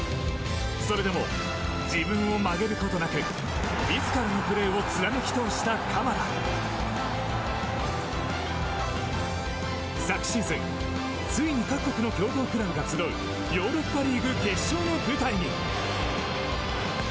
それでも自分を曲げることなく自らのプレーを貫き通した鎌田。昨シーズンついに各国の強豪クラブが集うヨーロッパリーグ決勝の舞台に。